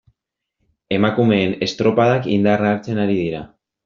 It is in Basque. Emakumeen estropadak indarra hartzen ari dira.